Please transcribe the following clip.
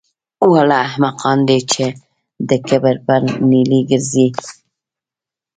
واړه احمقان دي چې د کبر په نیلي ګرځي